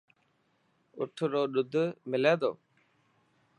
اٺ رو ڏوڌ ملي تو؟